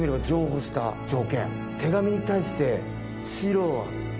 手紙に対して。